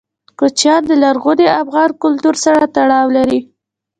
کوچیان د لرغوني افغان کلتور سره تړاو لري.